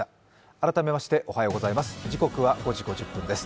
改めましておはようございます。